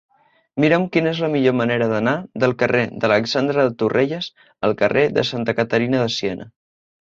Mira'm quina és la millor manera d'anar del carrer d'Alexandre de Torrelles al carrer de Santa Caterina de Siena.